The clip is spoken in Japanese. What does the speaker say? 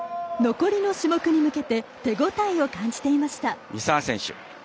残りの種目に向けて手応えを感じていました。